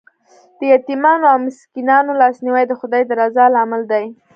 د یتیمانو او مسکینانو لاسنیوی د خدای د رضا لامل دی.